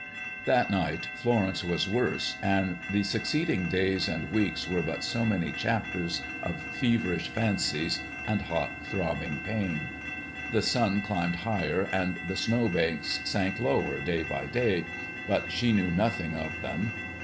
That night Florence was worse, and the succeeding days and weeks were but so many chapters of feverish fancies and hot, throbbing pain. The sun climbed higher and the snowbanks sank lower day by day, but she knew nothing of them.